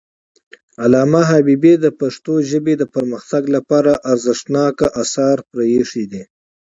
علامه حبيبي د پښتو ژبې د پرمختګ لپاره ارزښتناک آثار پریښي دي.